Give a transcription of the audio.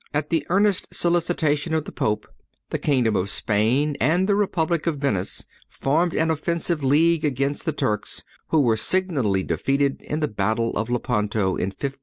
At the earnest solicitation of the Pope, the kingdom of Spain and the republic of Venice formed an offensive league against the Turks, who were signally defeated in the battle of Lepanto, in 1571.